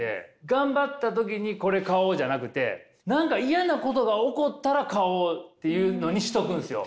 頑張った時にこれ買おうじゃなくて何か嫌なことが起こったら買おうっていうのにしとくんですよ。